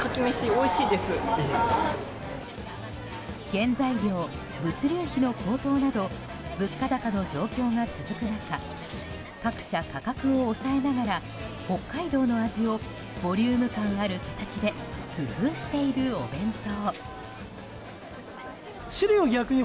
原材料、物流費の高騰など物価高の状況が続く中各社、価格を抑えながら北海道の味をボリューム感ある形で工夫しているお弁当。